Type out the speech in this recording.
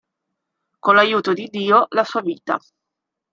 Con l'aiuto di Dio, la sua vita.